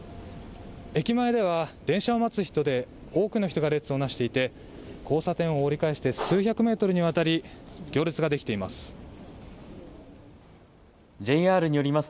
駅前では電車を待つ人で多くの人が列をなしていて交差点を折り返して数百メートルにわたり行列ができています。